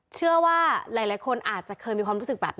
เชื่อว่าหลายคนอาจจะเคยมีความรู้สึกแบบ